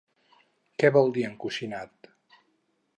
Què vol dir encoixinat?